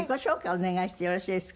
お願いしてよろしいですか？